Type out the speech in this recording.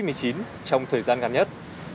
cảm ơn các bạn đã theo dõi và hẹn gặp lại